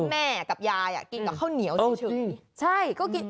แม่กับยายกินกับข้าวเหนียวเฉย